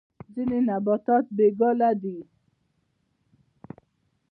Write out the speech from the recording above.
ځینې نباتات بې ګله دي